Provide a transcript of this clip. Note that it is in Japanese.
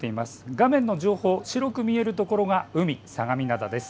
画面の上方、白く見えるところが海、相模灘です。